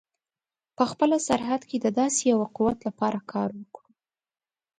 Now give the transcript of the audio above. په خپله سرحد کې د داسې یوه قوت لپاره کار وکړو.